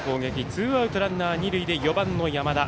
ツーアウト、ランナー、二塁で４番の山田。